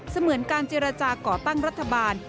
เหมือนการเจรจาก่อตั้งรัฐบาล